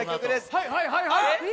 はいはいはいはい！